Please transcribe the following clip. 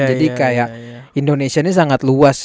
jadi kayak indonesia ini sangat luas